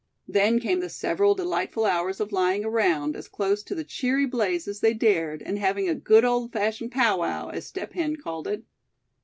Then came the several delightful hours of lying around, as close to the cheery blaze as they dared, and having a "good old fashioned powwow," as Step Hen called it.